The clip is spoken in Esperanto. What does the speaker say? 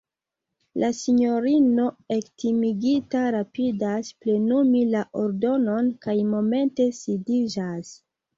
La sinjorino ektimigita rapidas plenumi la ordonon kaj momente sidiĝas.